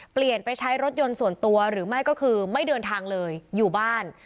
เปลี่ยนไปใช้รถยนต์ส่วนตัวหรือไม่ก็คือไม่เดินทางเลยอยู่บ้าน